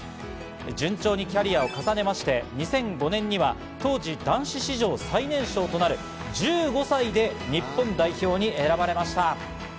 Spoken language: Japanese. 順調にキャリアを重ねて２００５年には当時、男子史上最年少となる１５歳で日本代表に選ばれました。